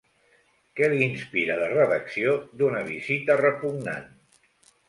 Què li inspira la redacció d'Una Visita Repugnant?